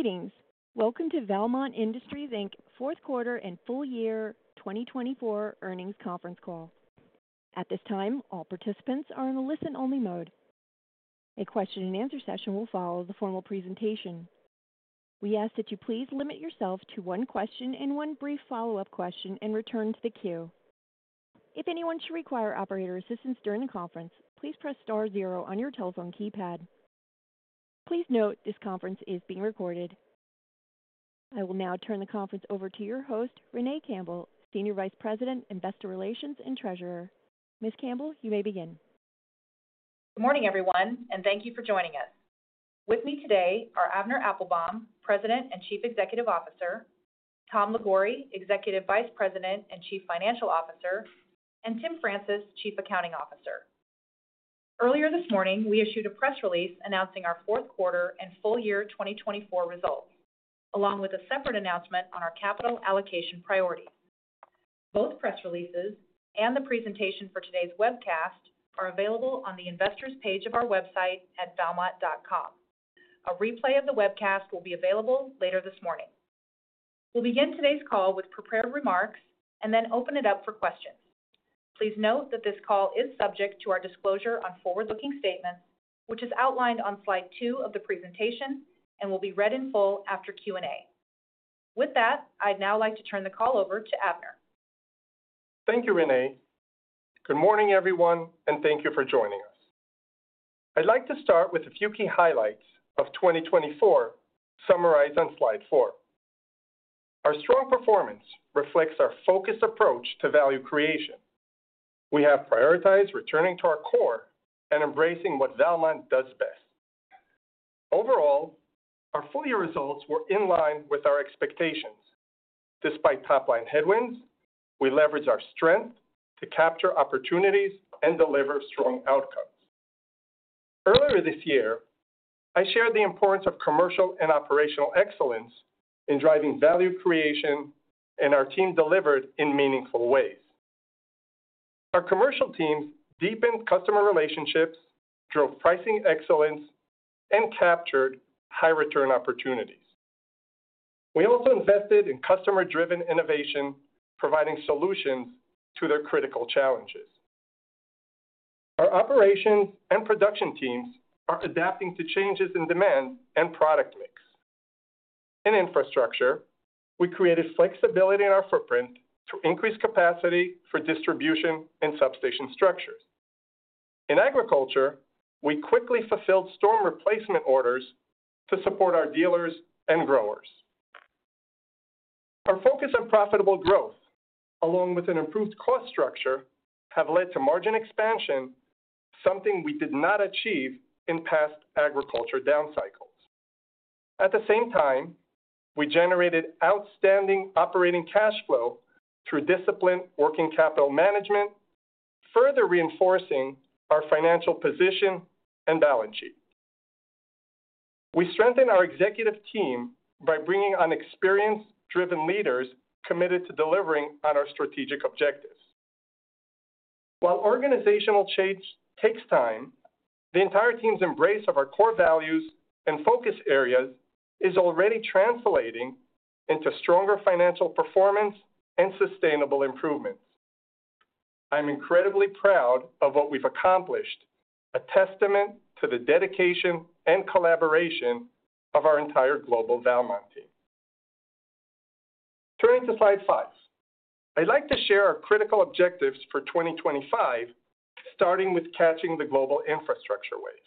Greetings. Welcome to Valmont Industries Inc Fourth Quarter and Full Year 2024 Earnings Conference Call. At this time, all participants are in a listen-only mode. A question-and-answer session will follow the formal presentation. We ask that you please limit yourself to one question and one brief follow-up question and return to the queue. If anyone should require operator assistance during the conference, please press star zero on your telephone keypad. Please note this conference is being recorded. I will now turn the conference over to your host, Renee Campbell, Senior Vice President, Investor Relations and Treasurer. Ms. Campbell, you may begin. Good morning, everyone, and thank you for joining us. With me today are Avner Applbaum, President and Chief Executive Officer, Tom Liguori, Executive Vice President and Chief Financial Officer, and Tim Francis, Chief Accounting Officer. Earlier this morning, we issued a press release announcing our fourth quarter and full year 2024 results, along with a separate announcement on our capital allocation priorities. Both press releases and the presentation for today's webcast are available on the investors page of our website at valmont.com. A replay of the webcast will be available later this morning. We'll begin today's call with prepared remarks and then open it up for questions. Please note that this call is subject to our disclosure on forward-looking statements, which is outlined on slide two of the presentation and will be read in full after Q&A. With that, I'd now like to turn the call over to Avner. Thank you, Renee. Good morning, everyone, and thank you for joining us. I'd like to start with a few key highlights of 2024 summarized on slide four. Our strong performance reflects our focused approach to value creation. We have prioritized returning to our core and embracing what Valmont does best. Overall, our full year results were in line with our expectations. Despite top-line headwinds, we leveraged our strength to capture opportunities and deliver strong outcomes. Earlier this year, I shared the importance of commercial and operational excellence in driving value creation, and our team delivered in meaningful ways. Our commercial teams deepened customer relationships, drove pricing excellence, and captured high-return opportunities. We also invested in customer-driven innovation, providing solutions to their critical challenges. Our operations and production teams are adapting to changes in demand and product mix. In infrastructure, we created flexibility in our footprint to increase capacity for distribution and substation structures. In agriculture, we quickly fulfilled storm replacement orders to support our dealers and growers. Our focus on profitable growth, along with an improved cost structure, has led to margin expansion, something we did not achieve in past agriculture down cycles. At the same time, we generated outstanding operating cash flow through disciplined working capital management, further reinforcing our financial position and balance sheet. We strengthened our executive team by bringing on experienced, driven leaders committed to delivering on our strategic objectives. While organizational change takes time, the entire team's embrace of our core values and focus areas is already translating into stronger financial performance and sustainable improvements. I'm incredibly proud of what we've accomplished, a testament to the dedication and collaboration of our entire global Valmont team. Turning to slide five, I'd like to share our critical objectives for 2025, starting with catching the global infrastructure wave.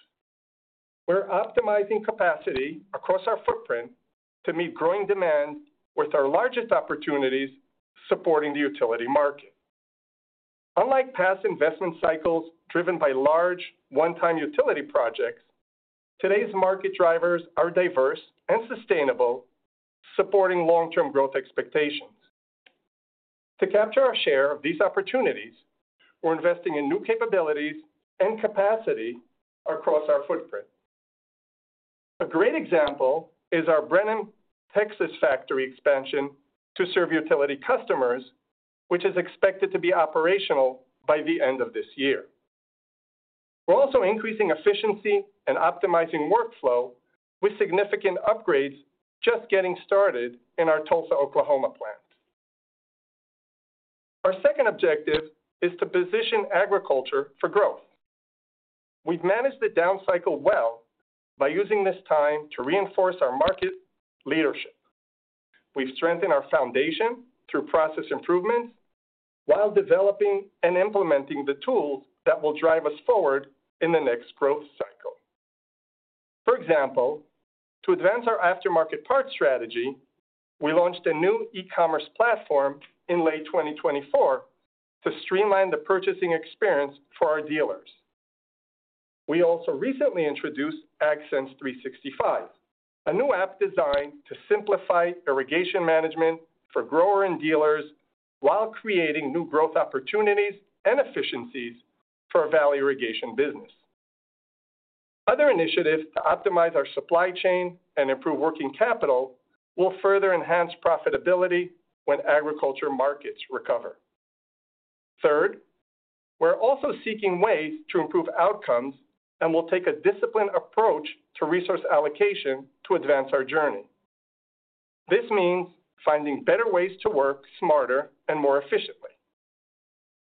We're optimizing capacity across our footprint to meet growing demand with our largest opportunities supporting the utility market. Unlike past investment cycles driven by large, one-time utility projects, today's market drivers are diverse and sustainable, supporting long-term growth expectations. To capture our share of these opportunities, we're investing in new capabilities and capacity across our footprint. A great example is our Brenham, Texas factory expansion to serve utility customers, which is expected to be operational by the end of this year. We're also increasing efficiency and optimizing workflow with significant upgrades, just getting started in our Tulsa, Oklahoma plant. Our second objective is to position agriculture for growth. We've managed the down cycle well by using this time to reinforce our market leadership. We've strengthened our foundation through process improvements while developing and implementing the tools that will drive us forward in the next growth cycle. For example, to advance our aftermarket parts strategy, we launched a new e-commerce platform in late 2024 to streamline the purchasing experience for our dealers. We also recently introduced AgSense 365, a new app designed to simplify irrigation management for grower and dealers while creating new growth opportunities and efficiencies for a Valley Irrigation business. Other initiatives to optimize our supply chain and improve working capital will further enhance profitability when agriculture markets recover. Third, we're also seeking ways to improve outcomes and will take a disciplined approach to resource allocation to advance our journey. This means finding better ways to work smarter and more efficiently.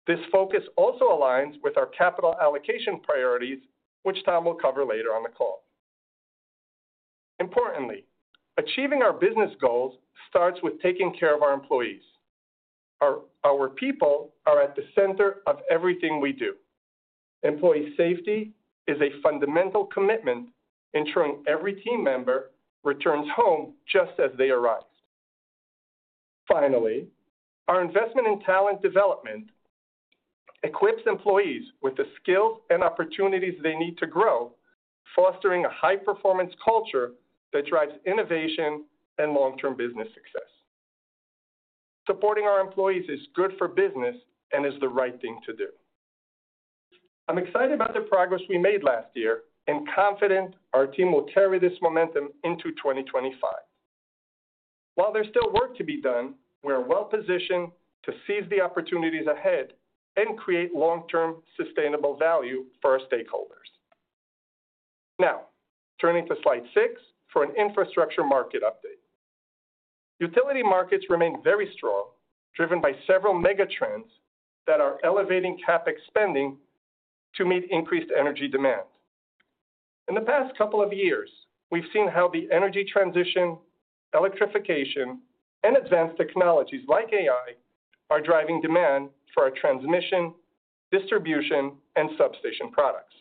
This focus also aligns with our capital allocation priorities, which Tom will cover later on the call. Importantly, achieving our business goals starts with taking care of our employees. Our people are at the center of everything we do. Employee safety is a fundamental commitment, ensuring every team member returns home just as they arrived. Finally, our investment in talent development equips employees with the skills and opportunities they need to grow, fostering a high-performance culture that drives innovation and long-term business success. Supporting our employees is good for business and is the right thing to do. I'm excited about the progress we made last year and confident our team will carry this momentum into 2025. While there's still work to be done, we're well positioned to seize the opportunities ahead and create long-term sustainable value for our stakeholders. Now, turning to slide six for an infrastructure market update. Utility markets remain very strong, driven by several mega trends that are elevating CapEx spending to meet increased energy demand. In the past couple of years, we've seen how the energy transition, electrification, and advanced technologies like AI are driving demand for our transmission, distribution, and substation products.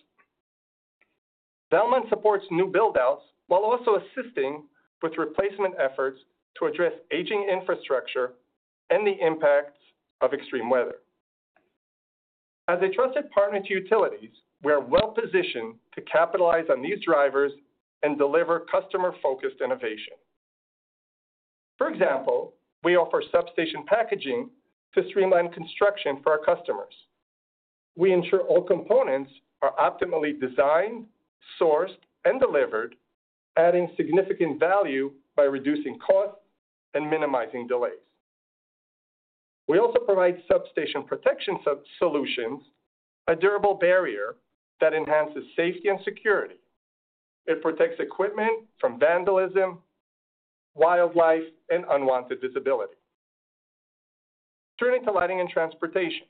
Valmont supports new buildouts while also assisting with replacement efforts to address aging infrastructure and the impacts of extreme weather. As a trusted partner to utilities, we are well positioned to capitalize on these drivers and deliver customer-focused innovation. For example, we offer substation packaging to streamline construction for our customers. We ensure all components are optimally designed, sourced, and delivered, adding significant value by reducing costs and minimizing delays. We also provide substation protection solutions, a durable barrier that enhances safety and security. It protects equipment from vandalism, wildlife, and unwanted visibility. Turning to lighting and transportation,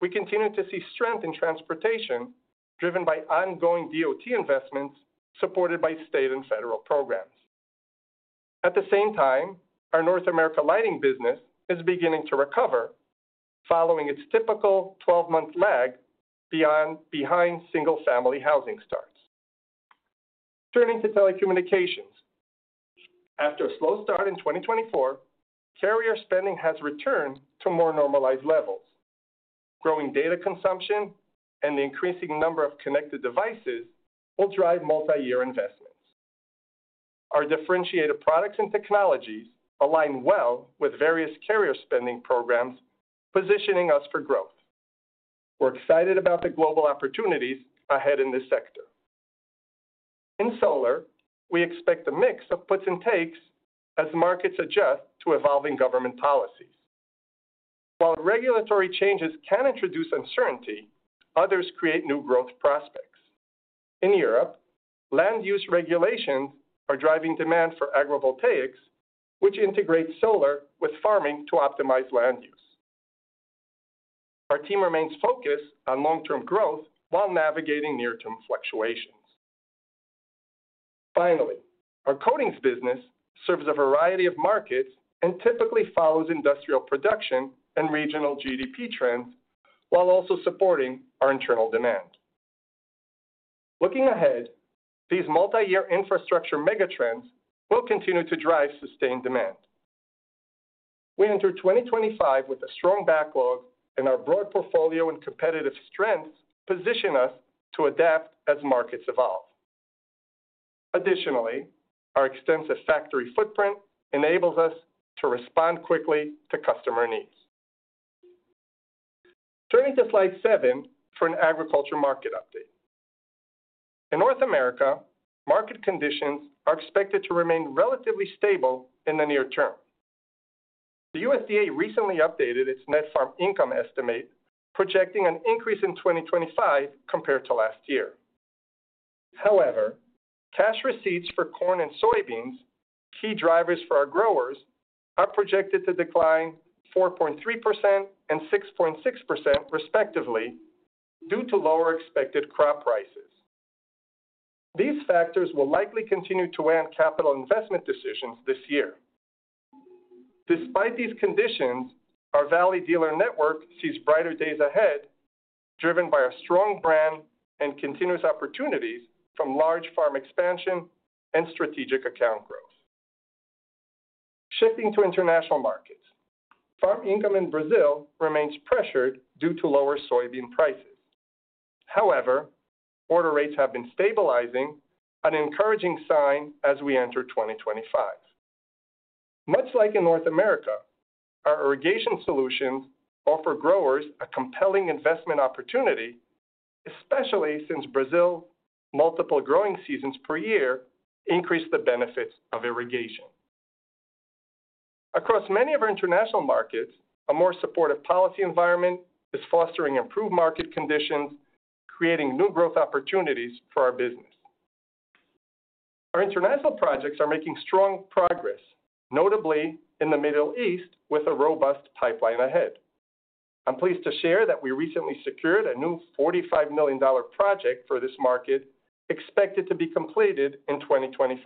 we continue to see strength in transportation driven by ongoing DOT investments supported by state and federal programs. At the same time, our North America lighting business is beginning to recover following its typical 12-month lag behind single-family housing starts. Turning to telecommunications, after a slow start in 2024, carrier spending has returned to more normalized levels. Growing data consumption and the increasing number of connected devices will drive multi-year investments. Our differentiated products and technologies align well with various carrier spending programs, positioning us for growth. We're excited about the global opportunities ahead in this sector. In solar, we expect a mix of puts and takes as markets adjust to evolving government policies. While regulatory changes can introduce uncertainty, others create new growth prospects. In Europe, land use regulations are driving demand for agrivoltaics, which integrate solar with farming to optimize land use. Our team remains focused on long-term growth while navigating near-term fluctuations. Finally, our coatings business serves a variety of markets and typically follows industrial production and regional GDP trends while also supporting our internal demand. Looking ahead, these multi-year infrastructure mega trends will continue to drive sustained demand. We enter 2025 with a strong backlog, and our broad portfolio and competitive strengths position us to adapt as markets evolve. Additionally, our extensive factory footprint enables us to respond quickly to customer needs. Turning to slide seven for an agriculture market update. In North America, market conditions are expected to remain relatively stable in the near term. The USDA recently updated its net farm income estimate, projecting an increase in 2025 compared to last year. However, cash receipts for corn and soybeans, key drivers for our growers, are projected to decline 4.3% and 6.6%, respectively, due to lower expected crop prices. These factors will likely continue to impede capital investment decisions this year. Despite these conditions, our Valley dealer network sees brighter days ahead, driven by a strong brand and continuous opportunities from large farm expansion and strategic account growth. Shifting to international markets, farm income in Brazil remains pressured due to lower soybean prices. However, order rates have been stabilizing, an encouraging sign as we enter 2025. Much like in North America, our irrigation solutions offer growers a compelling investment opportunity, especially since Brazil's multiple growing seasons per year increase the benefits of irrigation. Across many of our international markets, a more supportive policy environment is fostering improved market conditions, creating new growth opportunities for our business. Our international projects are making strong progress, notably in the Middle East with a robust pipeline ahead. I'm pleased to share that we recently secured a new $45 million project for this market, expected to be completed in 2025.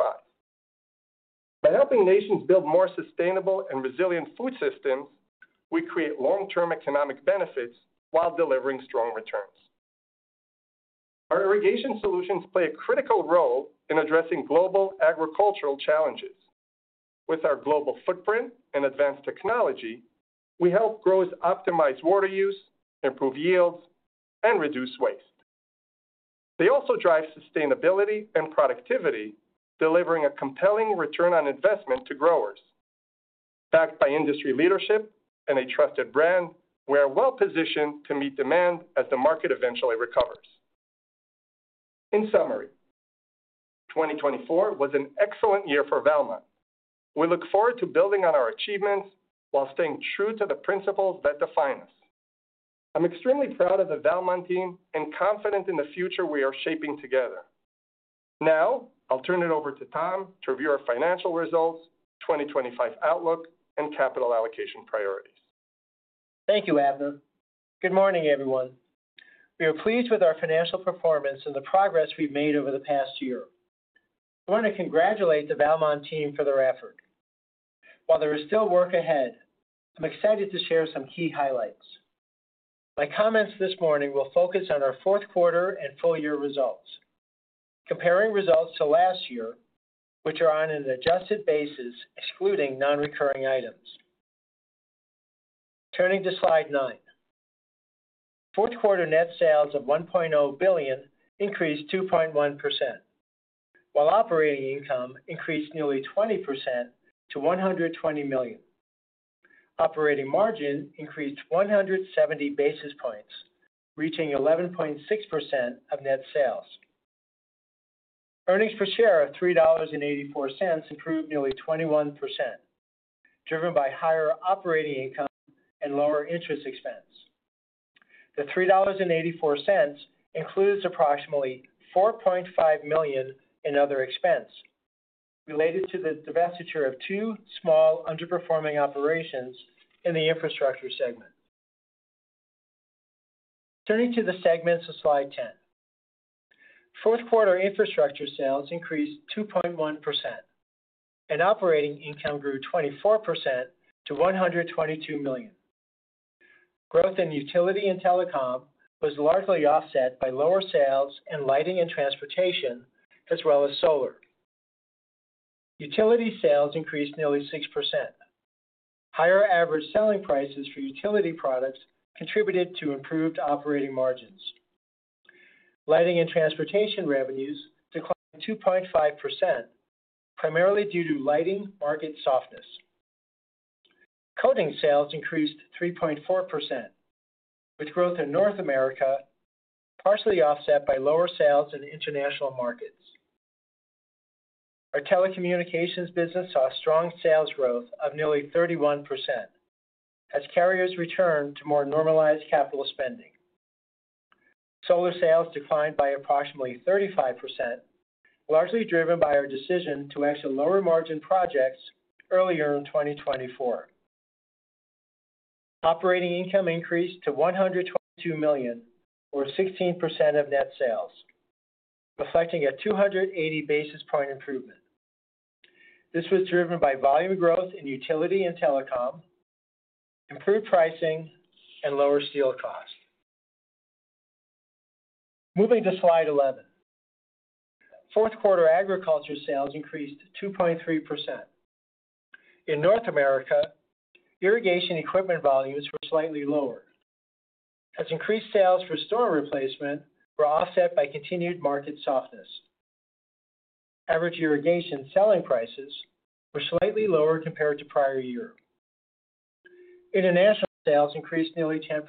By helping nations build more sustainable and resilient food systems, we create long-term economic benefits while delivering strong returns. Our irrigation solutions play a critical role in addressing global agricultural challenges. With our global footprint and advanced technology, we help growers optimize water use, improve yields, and reduce waste. They also drive sustainability and productivity, delivering a compelling return on investment to growers. Backed by industry leadership and a trusted brand, we are well positioned to meet demand as the market eventually recovers. In summary, 2024 was an excellent year for Valmont. We look forward to building on our achievements while staying true to the principles that define us. I'm extremely proud of the Valmont team and confident in the future we are shaping together. Now, I'll turn it over to Tom to review our financial results, 2025 outlook, and capital allocation priorities. Thank you, Avner. Good morning, everyone. We are pleased with our financial performance and the progress we've made over the past year. I want to congratulate the Valmont team for their effort. While there is still work ahead, I'm excited to share some key highlights. My comments this morning will focus on our fourth quarter and full year results, comparing results to last year, which are on an adjusted basis, excluding non-recurring items. Turning to slide nine, fourth quarter net sales of $1.0 billion increased 2.1%, while operating income increased nearly 20% to $120 million. Operating margin increased 170 basis points, reaching 11.6% of net sales. Earnings per share of $3.84 improved nearly 21%, driven by higher operating income and lower interest expense. The $3.84 includes approximately $4.5 million in other expense related to the divestiture of two small underperforming operations in the infrastructure segment. Turning to the segments of slide 10, fourth quarter infrastructure sales increased 2.1%, and operating income grew 24% to $122 million. Growth in utility and telecom was largely offset by lower sales in lighting and transportation, as well as solar. Utility sales increased nearly 6%. Higher average selling prices for utility products contributed to improved operating margins. Lighting and transportation revenues declined 2.5%, primarily due to lighting market softness. Coating sales increased 3.4%, with growth in North America partially offset by lower sales in international markets. Our telecommunications business saw strong sales growth of nearly 31% as carriers returned to more normalized capital spending. Solar sales declined by approximately 35%, largely driven by our decision to exit lower margin projects earlier in 2024. Operating income increased to $122 million, or 16% of net sales, reflecting a 280 basis point improvement. This was driven by volume growth in utility and telecom, improved pricing, and lower steel costs. Moving to slide 11, fourth quarter agriculture sales increased 2.3%. In North America, irrigation equipment volumes were slightly lower, as increased sales for storm replacement were offset by continued market softness. Average irrigation selling prices were slightly lower compared to prior year. International sales increased nearly 10%,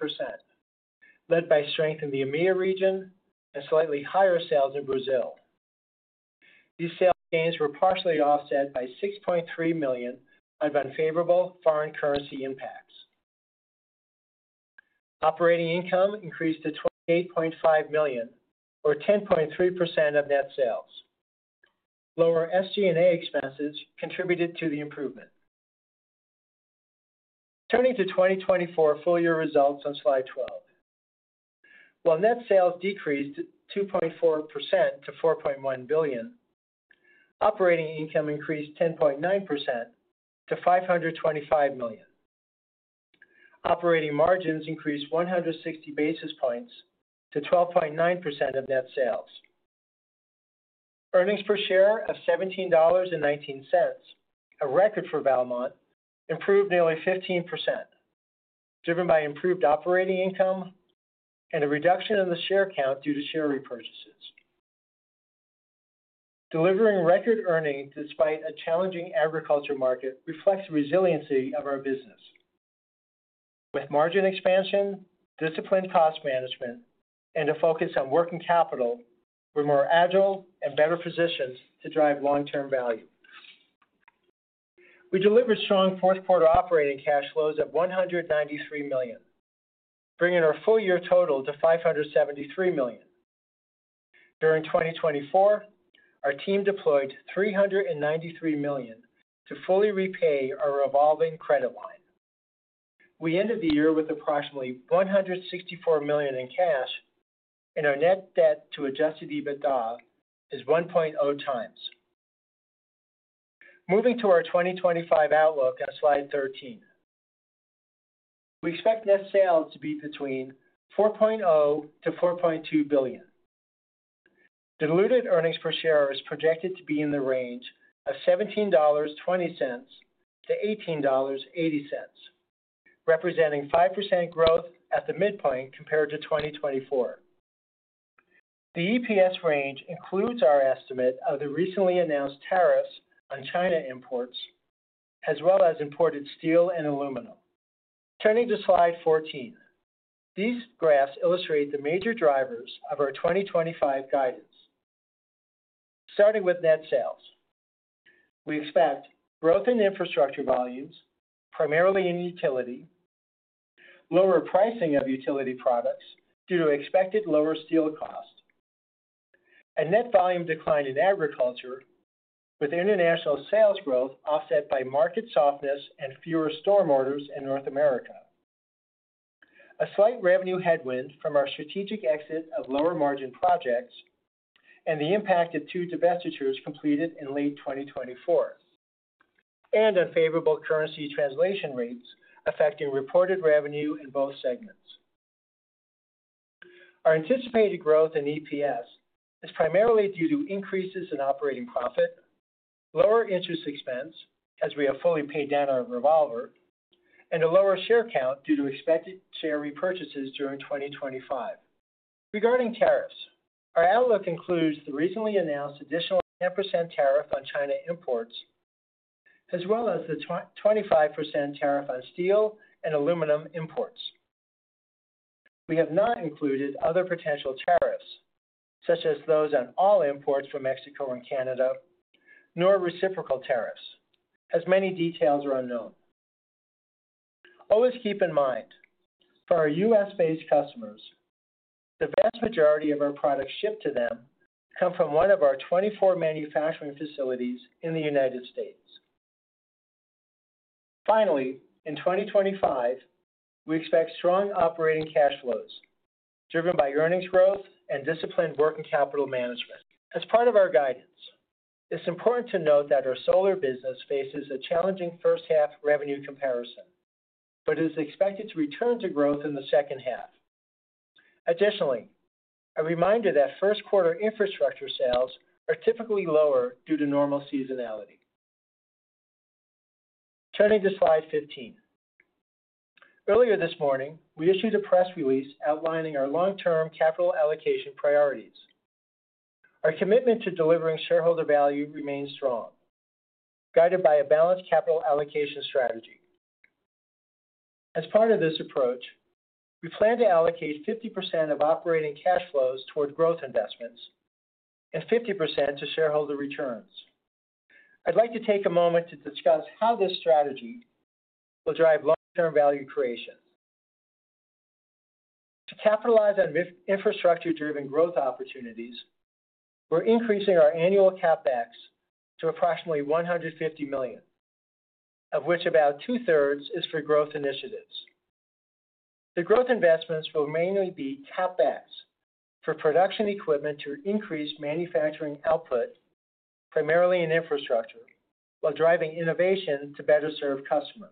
led by strength in the EMEA region and slightly higher sales in Brazil. These sales gains were partially offset by $6.3 million of unfavorable foreign currency impacts. Operating income increased to $28.5 million, or 10.3% of net sales. Lower SG&A expenses contributed to the improvement. Turning to 2024 full year results on slide 12, while net sales decreased 2.4% to $4.1 billion, operating income increased 10.9% to $525 million. Operating margins increased 160 basis points to 12.9% of net sales. Earnings per share of $17.19, a record for Valmont, improved nearly 15%, driven by improved operating income and a reduction in the share count due to share repurchases. Delivering record earnings despite a challenging agriculture market reflects the resiliency of our business. With margin expansion, disciplined cost management, and a focus on working capital, we're more agile and better positioned to drive long-term value. We delivered strong fourth quarter operating cash flows of $193 million, bringing our full year total to $573 million. During 2024, our team deployed $393 million to fully repay our revolving credit line. We ended the year with approximately $164 million in cash, and our net debt to adjusted EBITDA is 1.0x. Moving to our 2025 outlook on slide 13, we expect net sales to be between $4.0 billion-$4.2 billion. Diluted earnings per share is projected to be in the range of $17.20-$18.80, representing 5% growth at the midpoint compared to 2024. The EPS range includes our estimate of the recently announced tariffs on China imports, as well as imported steel and aluminum. Turning to slide 14, these graphs illustrate the major drivers of our 2025 guidance. Starting with net sales, we expect growth in infrastructure volumes, primarily in utility, lower pricing of utility products due to expected lower steel cost, and net volume decline in agriculture, with international sales growth offset by market softness and fewer storm orders in North America, a slight revenue headwind from our strategic exit of lower margin projects, and the impact of two divestitures completed in late 2024, and unfavorable currency translation rates affecting reported revenue in both segments. Our anticipated growth in EPS is primarily due to increases in operating profit, lower interest expense, as we have fully paid down our revolver, and a lower share count due to expected share repurchases during 2025. Regarding tariffs, our outlook includes the recently announced additional 10% tariff on China imports, as well as the 25% tariff on steel and aluminum imports. We have not included other potential tariffs, such as those on all imports from Mexico and Canada, nor reciprocal tariffs, as many details are unknown. Always keep in mind, for our U.S.-based customers, the vast majority of our products shipped to them come from one of our 24 manufacturing facilities in the United States. Finally, in 2025, we expect strong operating cash flows, driven by earnings growth and disciplined working capital management. As part of our guidance, it's important to note that our solar business faces a challenging first-half revenue comparison, but is expected to return to growth in the second half. Additionally, a reminder that first quarter infrastructure sales are typically lower due to normal seasonality. Turning to slide 15, earlier this morning, we issued a press release outlining our long-term capital allocation priorities. Our commitment to delivering shareholder value remains strong, guided by a balanced capital allocation strategy. As part of this approach, we plan to allocate 50% of operating cash flows toward growth investments and 50% to shareholder returns. I'd like to take a moment to discuss how this strategy will drive long-term value creation. To capitalize on infrastructure-driven growth opportunities, we're increasing our annual CapEx to approximately $150 million, of which about two-thirds is for growth initiatives. The growth investments will mainly be CapEx for production equipment to increase manufacturing output, primarily in infrastructure, while driving innovation to better serve customers.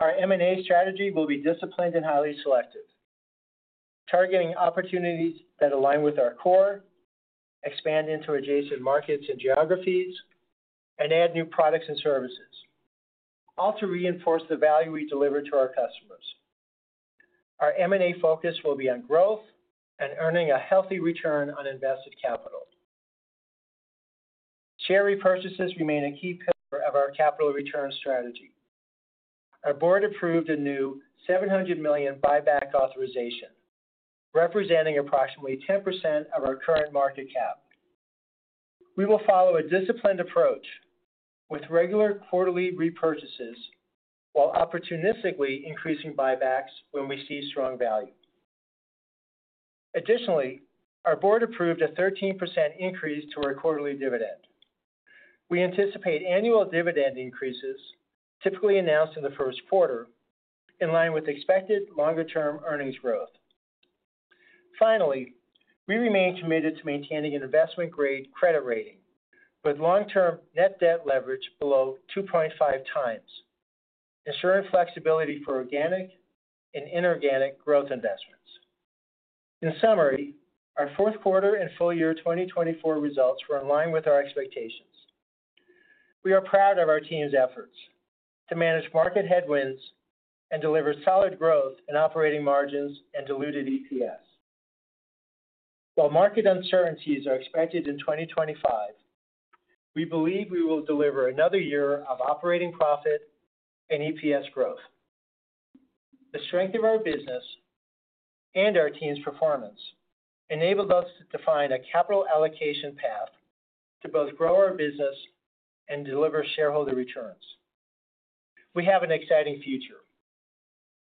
Our M&A strategy will be disciplined and highly selective, targeting opportunities that align with our core, expand into adjacent markets and geographies, and add new products and services, all to reinforce the value we deliver to our customers. Our M&A focus will be on growth and earning a healthy return on invested capital. Share repurchases remain a key pillar of our capital return strategy. Our board approved a new $700 million buyback authorization, representing approximately 10% of our current market cap. We will follow a disciplined approach with regular quarterly repurchases while opportunistically increasing buybacks when we see strong value. Additionally, our board approved a 13% increase to our quarterly dividend. We anticipate annual dividend increases, typically announced in the first quarter, in line with expected longer-term earnings growth. Finally, we remain committed to maintaining an investment-grade credit rating with long-term net debt leverage below 2.5x, ensuring flexibility for organic and inorganic growth investments. In summary, our fourth quarter and full year 2024 results were in line with our expectations. We are proud of our team's efforts to manage market headwinds and deliver solid growth in operating margins and diluted EPS. While market uncertainties are expected in 2025, we believe we will deliver another year of operating profit and EPS growth. The strength of our business and our team's performance enabled us to define a capital allocation path to both grow our business and deliver shareholder returns. We have an exciting future.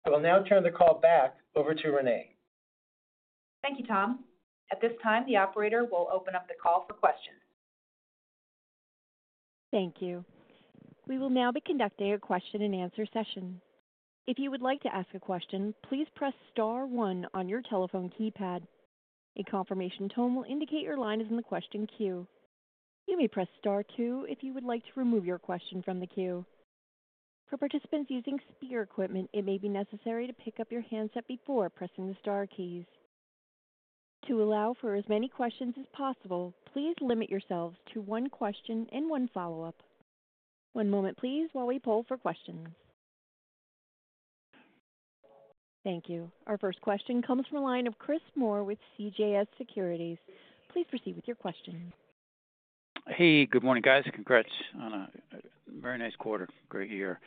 I will now turn the call back over to Renee. Thank you, Tom. At this time, the operator will open up the call for questions. Thank you. We will now be conducting a question-and-answer session. If you would like to ask a question, please press star 1 on your telephone keypad. A confirmation tone will indicate your line is in the question queue. You may press star 2 if you would like to remove your question from the queue. For participants using speaker equipment, it may be necessary to pick up your handset before pressing the star keys. To allow for as many questions as possible, please limit yourselves to one question and one follow-up. One moment, please, while we poll for questions. Thank you. Our first question comes from a line of Chris Moore with CJS Securities. Please proceed with your question. Hey, good morning, guys. Congrats on a very nice quarter. Great year.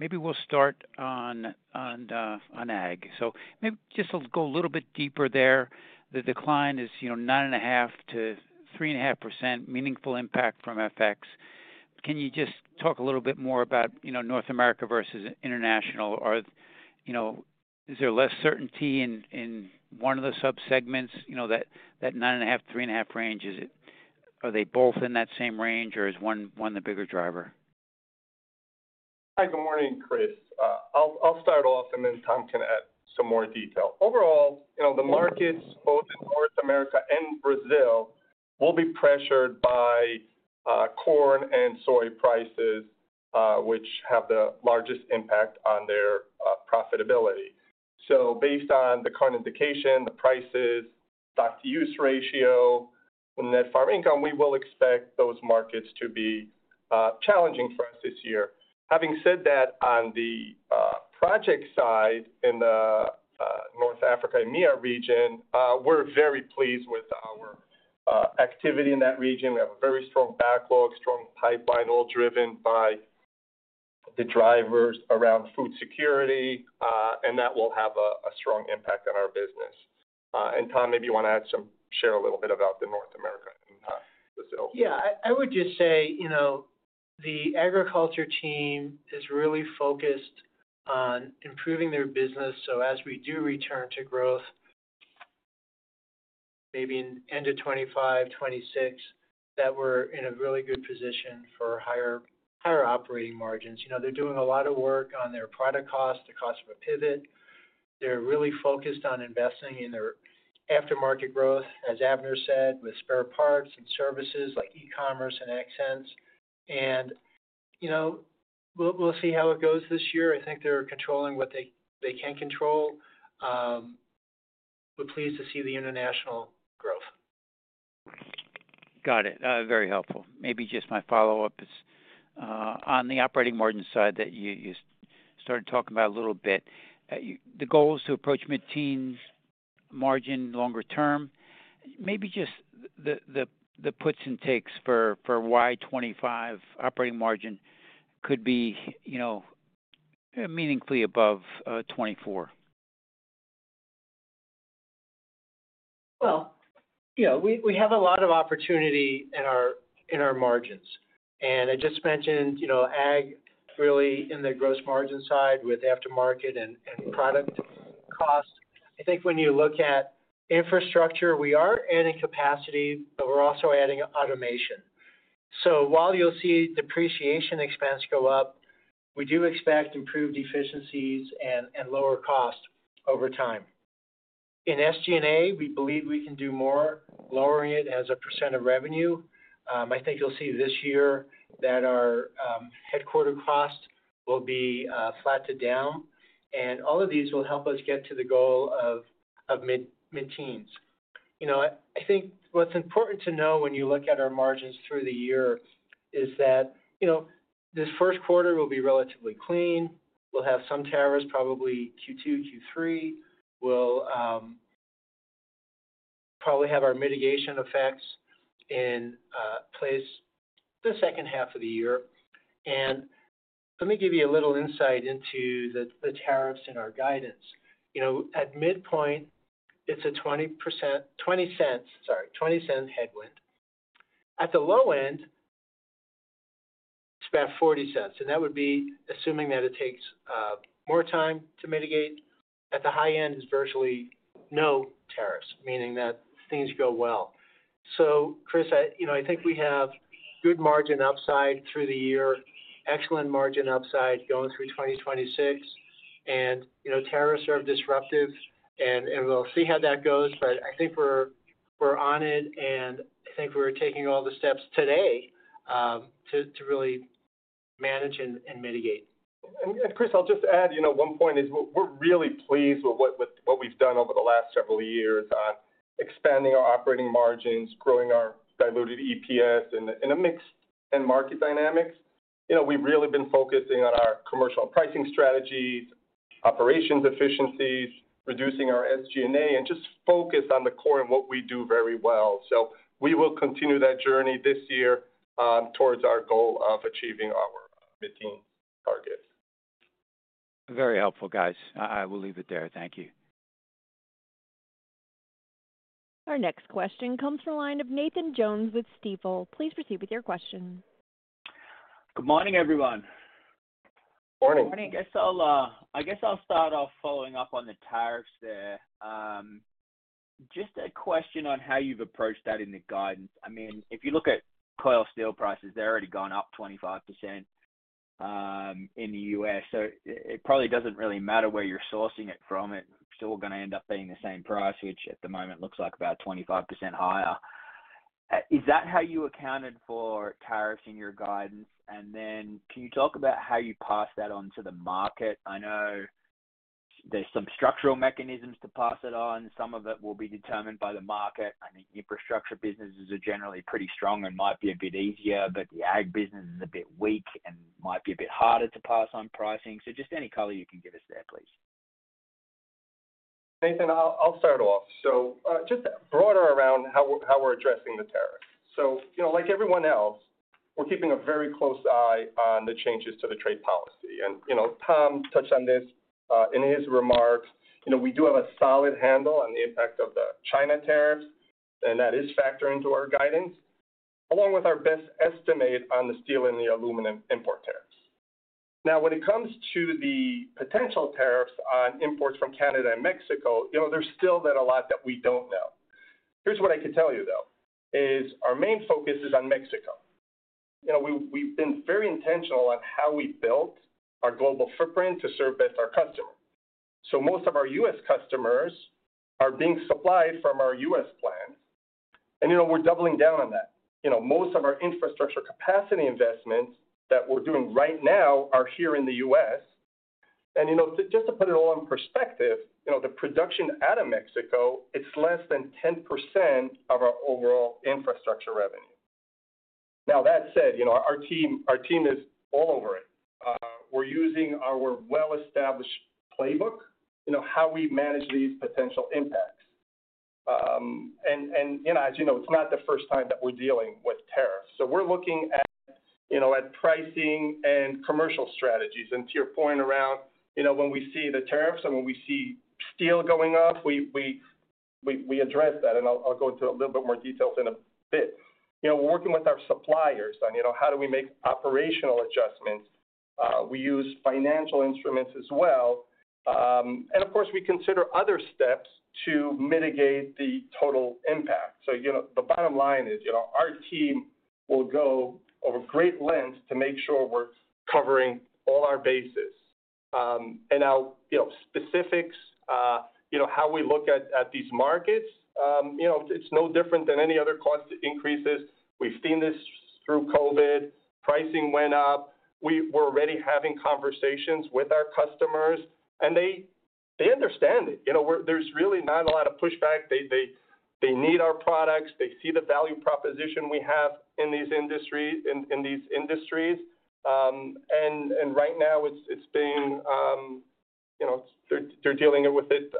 Maybe we'll start on Ag. So maybe just to go a little bit deeper there. The decline is 9.5%-3.5%, meaningful impact from FX. Can you just talk a little bit more about North America versus international? Is there less certainty in one of the subsegments, that 9.5%-3.5% range? Are they both in that same range, or is one the bigger driver? Hi, good morning, Chris. I'll start off, and then Tom can add some more detail. Overall, the markets, both in North America and Brazil, will be pressured by corn and soy prices, which have the largest impact on their profitability. Based on the current indication, the prices, stock-to-use ratio, and net farm income, we will expect those markets to be challenging for us this year. Having said that, on the project side in the North Africa EMEA region, we're very pleased with our activity in that region. We have a very strong backlog, strong pipeline, all driven by the drivers around food security, and that will have a strong impact on our business. And Tom, maybe you want to share a little bit about North America and Brazil. Yeah, I would just say the agriculture team is really focused on improving their business. So as we do return to growth, maybe end of 2025, 2026, that we're in a really good position for higher operating margins. They're doing a lot of work on their product cost, the cost of a pivot. They're really focused on investing in their aftermarket growth, as Avner said, with spare parts and services like e-commerce and AgSense. And we'll see how it goes this year. I think they're controlling what they can control. We're pleased to see the international growth. Got it. Very helpful. Maybe just my follow-up is on the operating margin side that you started talking about a little bit. The goal is to approach mid-teens margin longer term. Maybe just the puts and takes for why 2025 operating margin could be meaningfully above 2024? Well, we have a lot of opportunity in our margins. And I just mentioned ag really in the gross margin side with aftermarket and product cost. I think when you look at infrastructure, we are adding capacity, but we're also adding automation. So while you'll see depreciation expense go up, we do expect improved efficiencies and lower cost over time. In SG&A, we believe we can do more, lowering it as a % of revenue. I think you'll see this year that our headquarters cost will be flattened down. And all of these will help us get to the goal of mid-teens. I think what's important to know when you look at our margins through the year is that this first quarter will be relatively clean. We'll have some tariffs, probably Q2, Q3. We'll probably have our mitigation effects in place the second half of the year. And let me give you a little insight into the tariffs in our guidance. At midpoint, it's a $0.20, sorry, $0.20 headwind. At the low end, it's about $0.40. And that would be assuming that it takes more time to mitigate. At the high end, it's virtually no tariffs, meaning that things go well. So, Chris, I think we have good margin upside through the year, excellent margin upside going through 2026. And tariffs are disruptive, and we'll see how that goes. But I think we're on it, and I think we're taking all the steps today to really manage and mitigate. And Chris, I'll just add one point is we're really pleased with what we've done over the last several years on expanding our operating margins, growing our diluted EPS in a mixed-end market dynamic. We've really been focusing on our commercial pricing strategies, operations efficiencies, reducing our SG&A, and just focus on the core and what we do very well. So we will continue that journey this year towards our goal of achieving our mid-teens target. Very helpful, guys. I will leave it there. Thank you. Our next question comes from a line of Nathan Jones with Stifel. Please proceed with your question. Good morning, everyone. Good morning. I guess I'll start off following up on the tariffs there. Just a question on how you've approached that in the guidance. I mean, if you look at coil steel prices, they're already gone up 25% in the U.S. It probably doesn't really matter where you're sourcing it from. It's still going to end up being the same price, which at the moment looks like about 25% higher. Is that how you accounted for tariffs in your guidance? And then can you talk about how you pass that on to the market? I know there's some structural mechanisms to pass it on. Some of it will be determined by the market. I mean, infrastructure businesses are generally pretty strong and might be a bit easier, but the ag business is a bit weak and might be a bit harder to pass on pricing. Just any color you can give us there, please. Nathan, I'll start off. Just broader around how we're addressing the tariffs. Like everyone else, we're keeping a very close eye on the changes to the trade policy. Tom touched on this in his remarks. We do have a solid handle on the impact of the China tariffs, and that is factoring into our guidance, along with our best estimate on the steel and the aluminum import tariffs. Now, when it comes to the potential tariffs on imports from Canada and Mexico, there's still a lot that we don't know. Here's what I can tell you, though, is our main focus is on Mexico. We've been very intentional on how we built our global footprint to serve best our customers. So most of our U.S. customers are being supplied from our U.S. plants. And we're doubling down on that. Most of our infrastructure capacity investments that we're doing right now are here in the U.S. And just to put it all in perspective, the production out of Mexico, it's less than 10% of our overall infrastructure revenue. Now, that said, our team is all over it. We're using our well-established playbook, how we manage these potential impacts. And as you know, it's not the first time that we're dealing with tariffs. So we're looking at pricing and commercial strategies. And to your point around when we see the tariffs and when we see steel going up, we address that. And I'll go into a little bit more details in a bit. We're working with our suppliers on how do we make operational adjustments. We use financial instruments as well. And of course, we consider other steps to mitigate the total impact. So the bottom line is our team will go over great lengths to make sure we're covering all our bases. And now, specifics, how we look at these markets, it's no different than any other cost increases. We've seen this through COVID. Pricing went up. We're already having conversations with our customers, and they understand it. There's really not a lot of pushback. They need our products. They see the value proposition we have in these industries. And right now, they're dealing with it,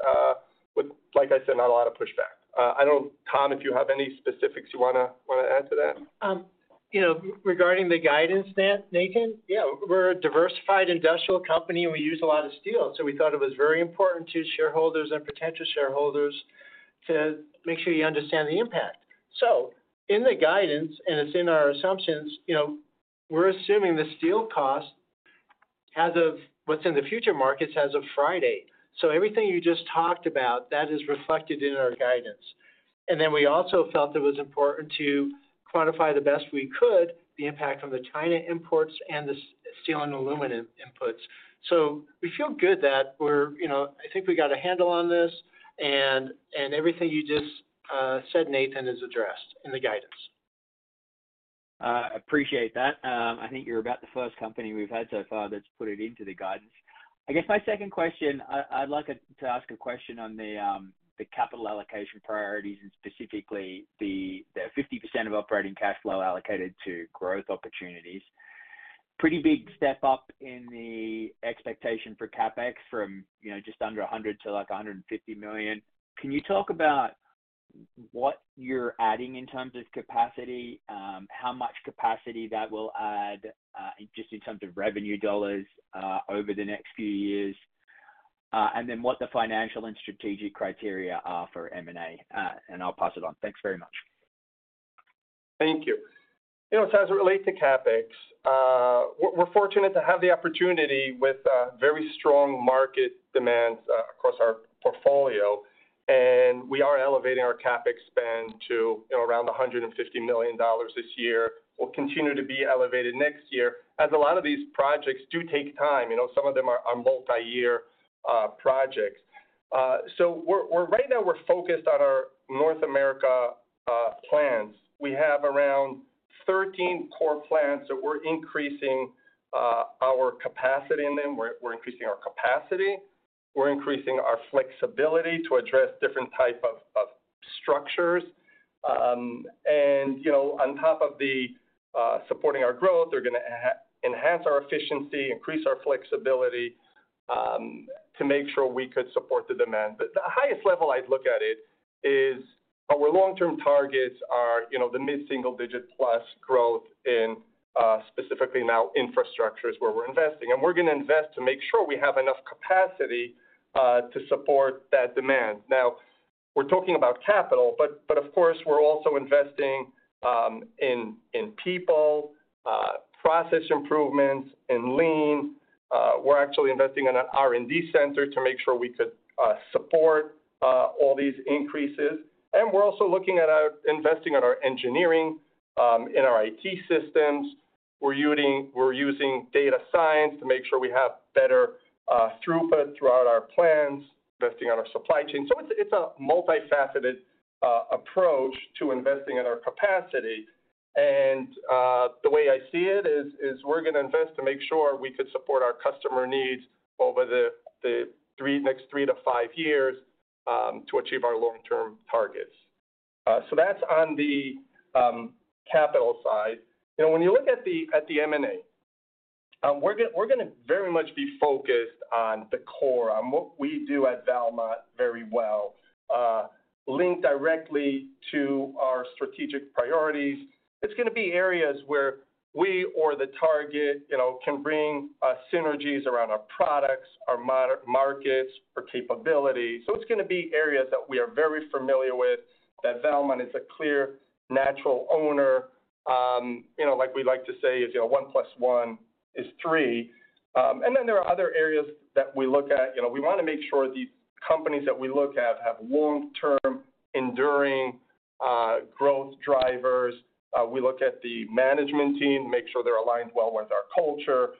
like I said, not a lot of pushback. I don't know, Tom, if you have any specifics you want to add to that. Regarding the guidance, Nathan, yeah, we're a diversified industrial company, and we use a lot of steel. So we thought it was very important to shareholders and potential shareholders to make sure you understand the impact. So in the guidance, and it's in our assumptions, we're assuming the steel cost, as of what's in the future markets, as of Friday. So everything you just talked about, that is reflected in our guidance. And then we also felt it was important to quantify the best we could the impact from the China imports and the steel and aluminum inputs. So we feel good that I think we got a handle on this, and everything you just said, Nathan, is addressed in the guidance. I appreciate that. I think you're about the first company we've had so far that's put it into the guidance. I guess my second question, I'd like to ask a question on the capital allocation priorities and specifically the 50% of operating cash flow allocated to growth opportunities. Pretty big step up in the expectation for CapEx from just under $100 million-$150 million. Can you talk about what you're adding in terms of capacity, how much capacity that will add just in terms of revenue dollars over the next few years, and then what the financial and strategic criteria are for M&A? And I'll pass it on. Thanks very much. Thank you. So as it relates to CapEx, we're fortunate to have the opportunity with very strong market demands across our portfolio. And we are elevating our CapEx spend to around $150 million this year. We'll continue to be elevated next year as a lot of these projects do take time. Some of them are multi-year projects. So right now, we're focused on our North America plants. We have around 13 core plants that we're increasing our capacity in them. We're increasing our capacity. We're increasing our flexibility to address different types of structures. On top of supporting our growth, we're going to enhance our efficiency, increase our flexibility to make sure we could support the demand. The highest level I'd look at it is our long-term targets are the mid-single-digit plus growth in specifically now infrastructures where we're investing. We're going to invest to make sure we have enough capacity to support that demand. Now, we're talking about capital, but of course, we're also investing in people, process improvements, and lean. We're actually investing in an R&D center to make sure we could support all these increases. We're also looking at investing in our engineering, in our IT systems. We're using data science to make sure we have better throughput throughout our plants, investing in our supply chain. It's a multifaceted approach to investing in our capacity. And the way I see it is we're going to invest to make sure we could support our customer needs over the next three to five years to achieve our long-term targets. So that's on the capital side. When you look at the M&A, we're going to very much be focused on the core on what we do at Valmont very well, linked directly to our strategic priorities. It's going to be areas where we or the target can bring synergies around our products, our markets, our capability. So it's going to be areas that we are very familiar with, that Valmont is a clear natural owner. Like we like to say, if you're a one plus one is three. And then there are other areas that we look at. We want to make sure the companies that we look at have long-term, enduring growth drivers. We look at the management team to make sure they're aligned well with our culture.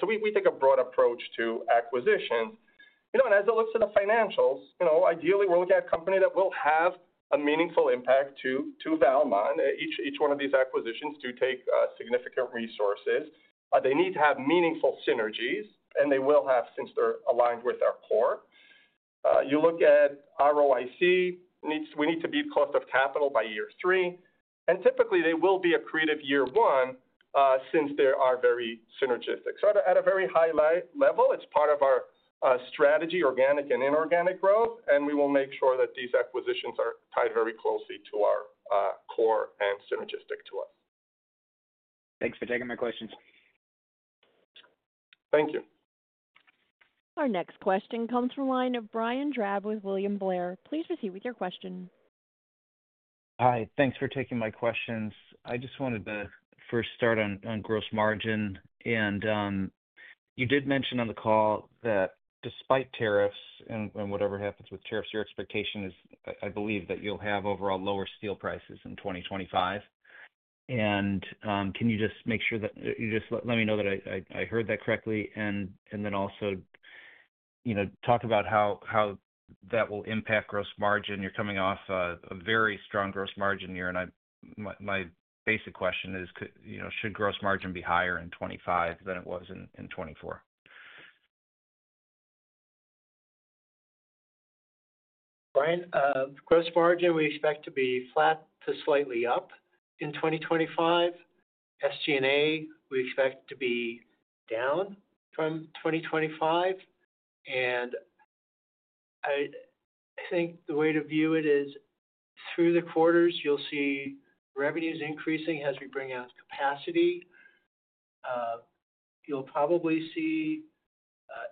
So we take a broad approach to acquisitions. And as it looks at the financials, ideally, we're looking at a company that will have a meaningful impact to Valmont. Each one of these acquisitions does take significant resources. They need to have meaningful synergies, and they will have since they're aligned with our core. You look at ROIC, we need to be close to capital by year three. And typically, they will be accretive year one since they are very synergistic. So at a very high level, it's part of our strategy, organic and inorganic growth. And we will make sure that these acquisitions are tied very closely to our core and synergistic to us. Thanks for taking my questions. Thank you. Our next question comes from a line of Brian Drab with William Blair. Please proceed with your question. Hi. Thanks for taking my questions. I just wanted to first start on gross margin. And you did mention on the call that despite tariffs and whatever happens with tariffs, your expectation is, I believe, that you'll have overall lower steel prices in 2025. And can you just make sure that you just let me know that I heard that correctly? And then also talk about how that will impact gross margin. You're coming off a very strong gross margin year. And my basic question is, should gross margin be higher in 2025 than it was in 2024? Brian, gross margin, we expect to be flat to slightly up in 2025. SG&A, we expect to be down from 2025. I think the way to view it is through the quarters. You'll see revenues increasing as we bring out capacity. You'll probably see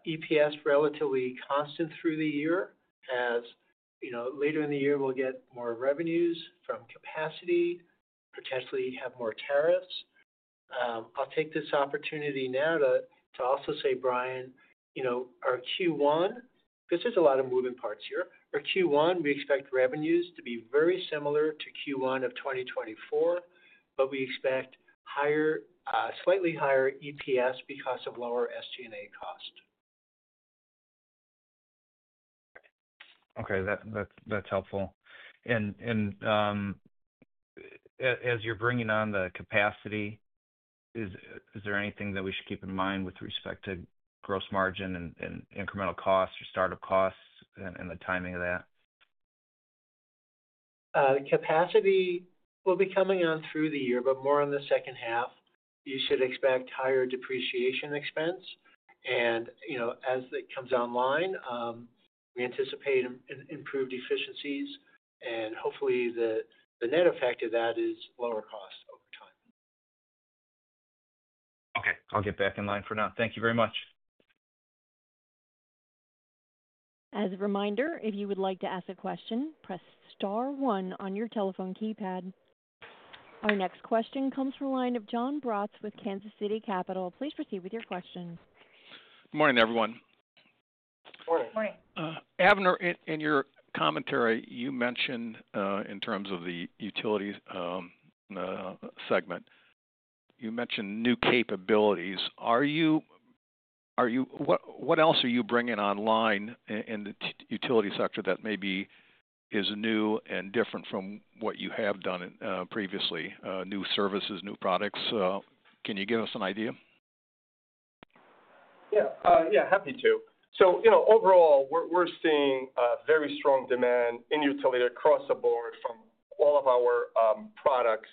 EPS relatively constant through the year as later in the year, we'll get more revenues from capacity, potentially have more tariffs. I'll take this opportunity now to also say, Brian, our Q1, because there's a lot of moving parts here, our Q1, we expect revenues to be very similar to Q1 of 2024, but we expect slightly higher EPS because of lower SG&A cost. Okay. That's helpful. And as you're bringing on the capacity, is there anything that we should keep in mind with respect to gross margin and incremental costs or startup costs and the timing of that? Capacity will be coming on through the year, but more in the second half. You should expect higher depreciation expense. As it comes online, we anticipate improved efficiencies. Hopefully, the net effect of that is lower cost over time. Okay. I'll get back in line for now. Thank you very much. As a reminder, if you would like to ask a question, press star one on your telephone keypad. Our next question comes from a line of Jon Braatz with Kansas City Capital. Please proceed with your question. Good morning, everyone. Good morning. Good morning. Avner, in your commentary, you mentioned in terms of the utilities segment, you mentioned new capabilities. What else are you bringing online in the utility sector that maybe is new and different from what you have done previously, new services, new products? Can you give us an idea? Yeah. Yeah. Happy to. Overall, we're seeing very strong demand in utility across the board from all of our products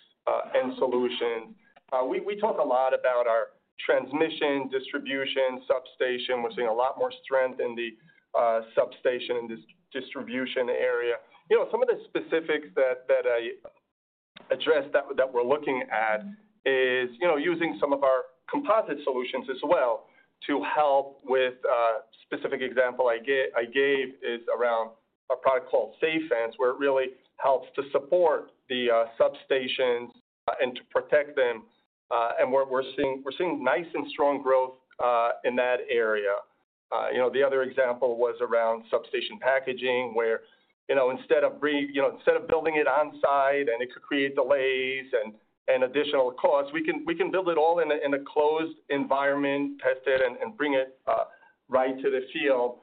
and solutions. We talk a lot about our transmission, distribution, substation. We're seeing a lot more strength in the substation and distribution area. Some of the specifics that I addressed that we're looking at is using some of our composite solutions as well to help with. A specific example I gave is around a product called SafeFence, where it really helps to support the substations and to protect them, and we're seeing nice and strong growth in that area. The other example was around substation packaging, where instead of building it on-site and it could create delays and additional costs, we can build it all in a closed environment, test it, and bring it right to the field.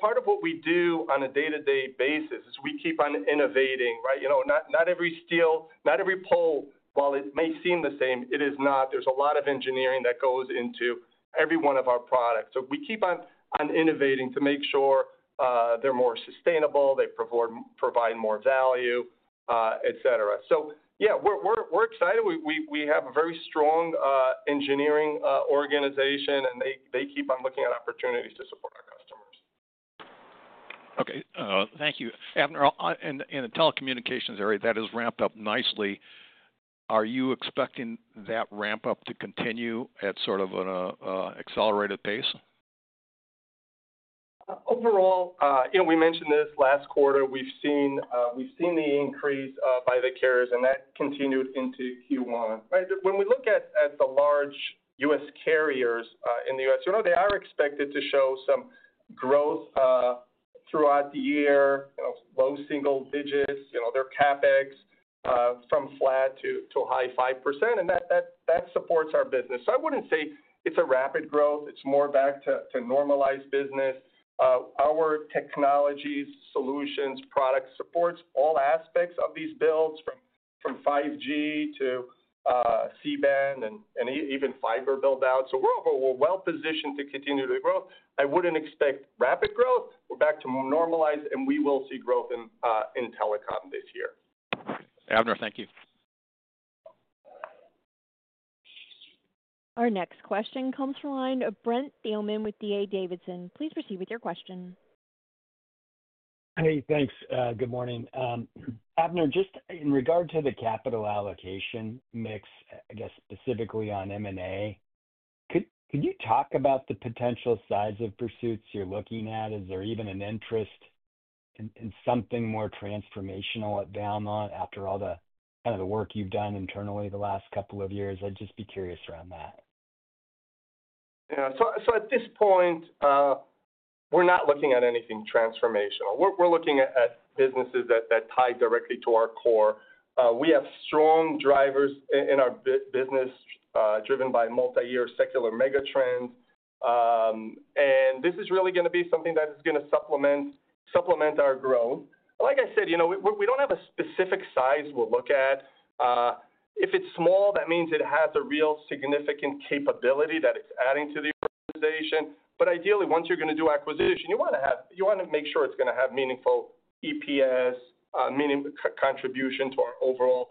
Part of what we do on a day-to-day basis is we keep on innovating, right? Not every steel, not every pole, while it may seem the same, it is not. There's a lot of engineering that goes into every one of our products. So we keep on innovating to make sure they're more sustainable, they provide more value, etc. So yeah, we're excited. We have a very strong engineering organization, and they keep on looking at opportunities to support our customers. Okay. Thank you. Avner, in the telecommunications area, that has ramped up nicely. Are you expecting that ramp-up to continue at sort of an accelerated pace? Overall, we mentioned this last quarter. We've seen the increase by the carriers, and that continued into Q1. When we look at the large U.S. carriers in the U.S., they are expected to show some growth throughout the year, low single digits, their CapEx from flat to high 5%. And that supports our business. So I wouldn't say it's a rapid growth. It's more back to normalized business. Our technologies, solutions, products support all aspects of these builds from 5G to C-band and even fiber build-out, so we're well-positioned to continue to grow. I wouldn't expect rapid growth. We're back to normalized, and we will see growth in telecom this year. Avner, thank you. Our next question comes from a line of Brent Thielman with D.A. Davidson. Please proceed with your question. Hey, thanks. Good morning. Avner, just in regard to the capital allocation mix, I guess specifically on M&A, could you talk about the potential size of pursuits you're looking at? Is there even an interest in something more transformational at Valmont after all the kind of work you've done internally the last couple of years? I'd just be curious around that. Yeah, so at this point, we're not looking at anything transformational. We're looking at businesses that tie directly to our core. We have strong drivers in our business driven by multi-year secular megatrends. And this is really going to be something that is going to supplement our growth. Like I said, we don't have a specific size we'll look at. If it's small, that means it has a real significant capability that it's adding to the organization. But ideally, once you're going to do acquisition, you want to make sure it's going to have meaningful EPS, meaningful contribution to our overall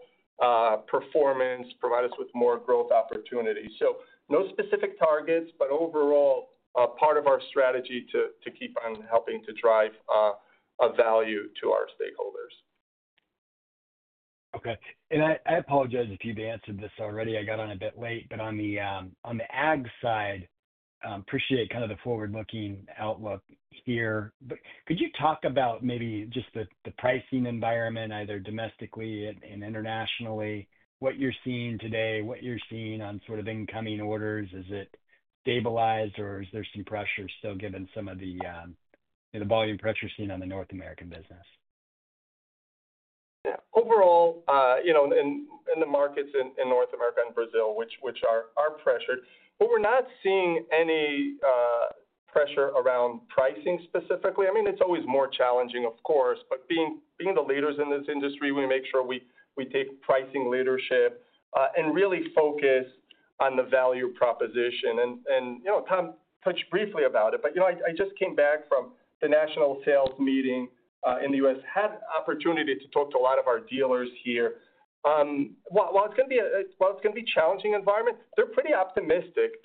performance, provide us with more growth opportunities. So no specific targets, but overall, part of our strategy to keep on helping to drive value to our stakeholders. Okay. And I apologize if you've answered this already. I got on a bit late. But on the ag side, appreciate kind of the forward-looking outlook here. But could you talk about maybe just the pricing environment, either domestically and internationally, what you're seeing today, what you're seeing on sort of incoming orders? Is it stabilized, or is there some pressure still given some of the volume pressure seen on the North American business? Overall, in the markets in North America and Brazil, which are pressured, but we're not seeing any pressure around pricing specifically. I mean, it's always more challenging, of course, but being the leaders in this industry, we make sure we take pricing leadership and really focus on the value proposition. And Tom touched briefly about it, but I just came back from the national sales meeting in the U.S., had an opportunity to talk to a lot of our dealers here. While it's going to be a while, it's going to be a challenging environment, they're pretty optimistic.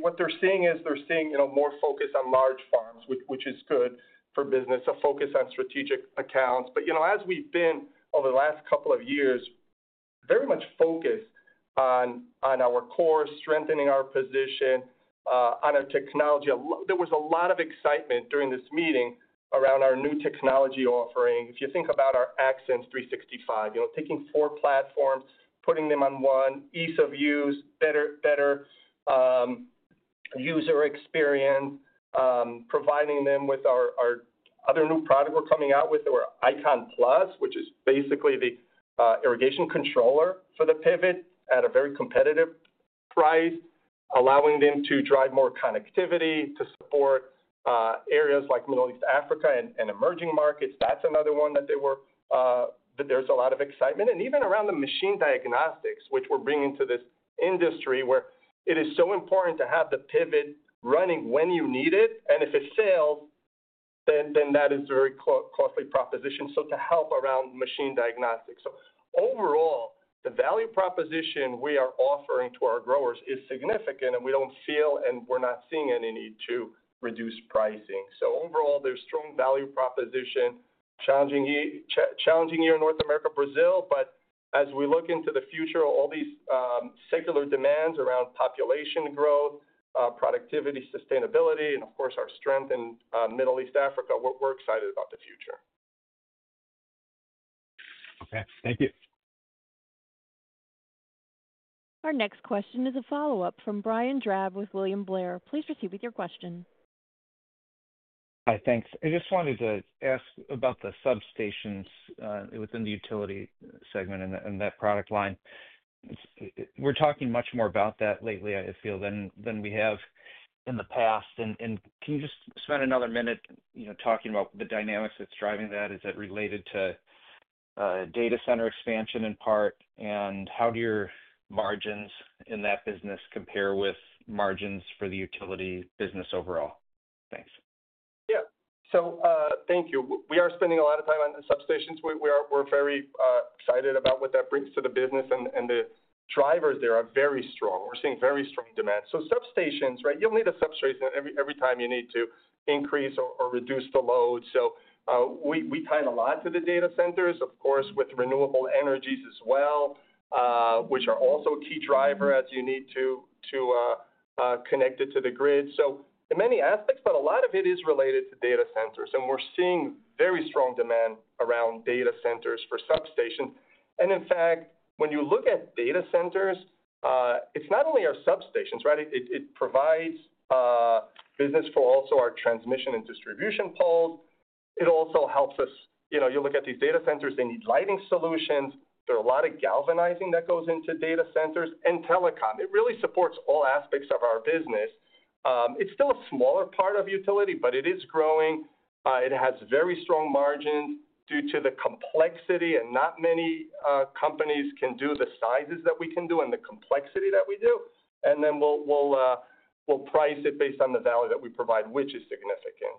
What they're seeing is they're seeing more focus on large farms, which is good for business, a focus on strategic accounts. But as we've been over the last couple of years, very much focused on our core, strengthening our position on our technology. There was a lot of excitement during this meeting around our new technology offering. If you think about our AgSense 365, taking four platforms, putting them on one, ease of use, better user experience, providing them with our other new product we're coming out with, our ICON+, which is basically the irrigation controller for the pivot at a very competitive price, allowing them to drive more connectivity to support areas like Middle East, Africa, and emerging markets. That's another one that there's a lot of excitement. And even around the machine diagnostics, which we're bringing to this industry where it is so important to have the pivot running when you need it. And if it fails, then that is a very costly proposition. So to help around machine diagnostics. So overall, the value proposition we are offering to our growers is significant, and we don't feel and we're not seeing any need to reduce pricing. So overall, there's strong value proposition, challenging year in North America, Brazil. But as we look into the future, all these secular demands around population growth, productivity, sustainability, and of course, our strength in Middle East, Africa, we're excited about the future. Okay. Thank you. Our next question is a follow-up from Brian Drab with William Blair. Please proceed with your question. Hi. Thanks. I just wanted to ask about the substations within the utility segment and that product line. We're talking much more about that lately, I feel, than we have in the past. And can you just spend another minute talking about the dynamics that's driving that? Is that related to data center expansion in part? And how do your margins in that business compare with margins for the utility business overall? Thanks. Yeah. So thank you. We are spending a lot of time on the substations. We're very excited about what that brings to the business. And the drivers there are very strong. We're seeing very strong demand. So substations, right? You'll need a substation every time you need to increase or reduce the load. So we tie it a lot to the data centers, of course, with renewable energies as well, which are also a key driver as you need to connect it to the grid. In many aspects, but a lot of it is related to data centers. We're seeing very strong demand around data centers for substations. In fact, when you look at data centers, it's not only our substations, right? It provides business for also our transmission and distribution poles. It also helps us. You look at these data centers, they need lighting solutions. There are a lot of galvanizing that goes into data centers and telecom. It really supports all aspects of our business. It's still a smaller part of utility, but it is growing. It has very strong margins due to the complexity, and not many companies can do the sizes that we can do and the complexity that we do. We'll price it based on the value that we provide, which is significant.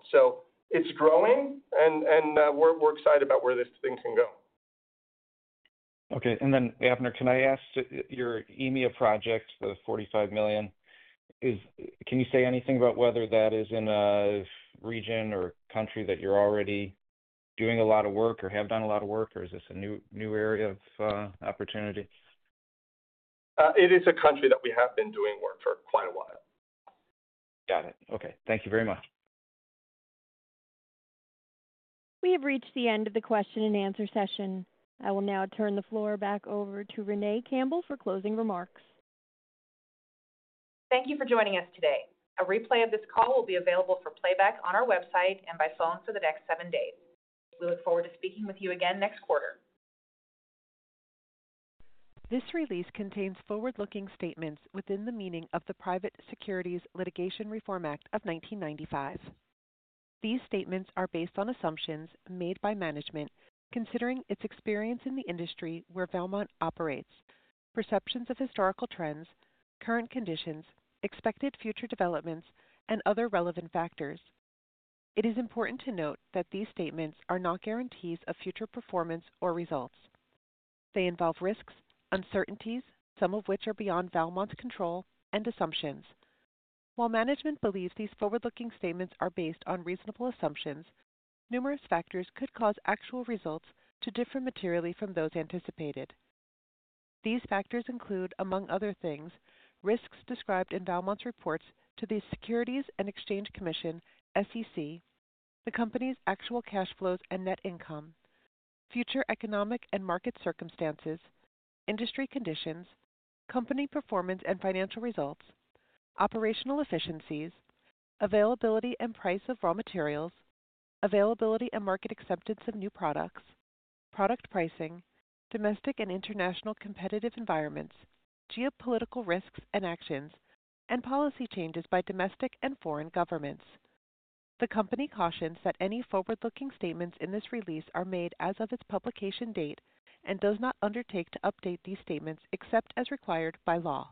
It's growing, and we're excited about where this thing can go. Okay. And then, Avner, can I ask your EMEA project, the $45 million? Can you say anything about whether that is in a region or country that you're already doing a lot of work or have done a lot of work, or is this a new area of opportunity? It is a country that we have been doing work for quite a while. Got it. Okay. Thank you very much. We have reached the end of the question and answer session. I will now turn the floor back over to Renee Campbell for closing remarks. Thank you for joining us today. A replay of this call will be available for playback on our website and by phone for the next seven days. We look forward to speaking with you again next quarter. This release contains forward-looking statements within the meaning of the Private Securities Litigation Reform Act of 1995. These statements are based on assumptions made by management considering its experience in the industry where Valmont operates, perceptions of historical trends, current conditions, expected future developments, and other relevant factors. It is important to note that these statements are not guarantees of future performance or results. They involve risks, uncertainties, some of which are beyond Valmont's control and assumptions. While management believes these forward-looking statements are based on reasonable assumptions, numerous factors could cause actual results to differ materially from those anticipated. These factors include, among other things, risks described in Valmont's reports to the Securities and Exchange Commission, SEC, the company's actual cash flows and net income, future economic and market circumstances, industry conditions, company performance and financial results, operational efficiencies, availability and price of raw materials, availability and market acceptance of new products, product pricing, domestic and international competitive environments, geopolitical risks and actions, and policy changes by domestic and foreign governments. The company cautions that any forward-looking statements in this release are made as of its publication date and does not undertake to update these statements except as required by law.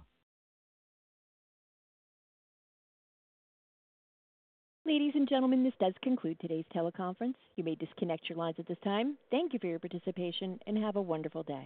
Ladies and gentlemen, this does conclude today's teleconference. You may disconnect your lines at this time. Thank you for your participation and have a wonderful day.